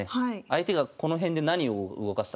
相手がこの辺で何を動かしたか。